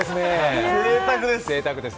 ぜいたくです。